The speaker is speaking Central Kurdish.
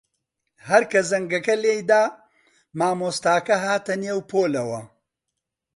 هەر کە زەنگەکە لێی دا، مامۆستاکە هاتە نێو پۆلەوە.